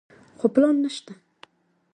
خو پلان نشته.